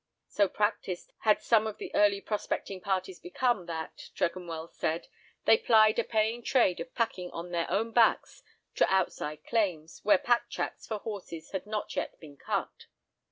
So practised had some of the early prospecting parties become that (Tregonwell said) they plied a paying trade of packing on their own backs to outside claims, where pack tracks for horses had not yet been cut.